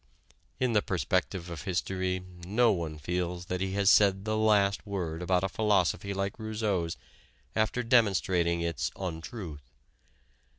In the perspective of history, no one feels that he has said the last word about a philosophy like Rousseau's after demonstrating its "untruth."